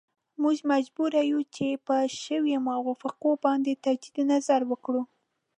موږ مجبور یو چې پر شویو موافقو باندې تجدید نظر وکړو.